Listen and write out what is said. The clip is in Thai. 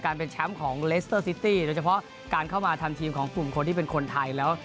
เป็นแชมป์ของเลสเตอร์ซิตี้โดยเฉพาะการเข้ามาทำทีมของกลุ่มคนที่เป็นคนไทยแล้ว